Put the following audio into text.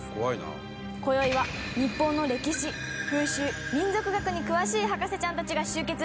今宵は日本の歴史風習民俗学に詳しい博士ちゃんたちが集結。